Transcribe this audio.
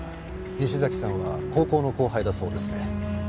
西崎さんは高校の後輩だそうですね。